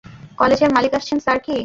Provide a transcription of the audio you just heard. কলেজের মালিক আসছেন, স্যার - কি?